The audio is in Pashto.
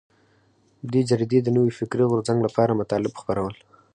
دې جریدې د نوي فکري غورځنګ لپاره مطالب خپرول.